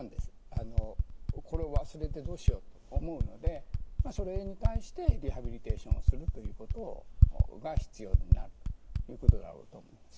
これを忘れてどうしようと思うのでそれに対してリハビリテーションをするということが必要になるということだろうと思います。